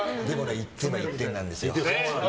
いつも１点なんですよ。